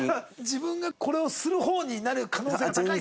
自分がこれをする方になる可能性が高いから。